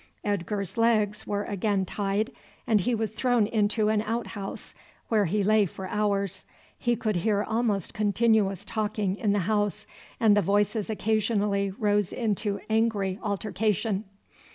Edgar's legs were again tied, and he was thrown into an outhouse, where he lay for hours. He could hear almost continuous talking in the house, and the voices occasionally rose into angry altercation.